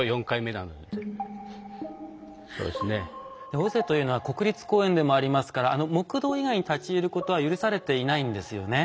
尾瀬というのは国立公園でもありますから木道以外に立ち入ることは許されていないんですよね。